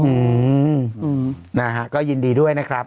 อืมนะฮะก็ยินดีด้วยนะครับ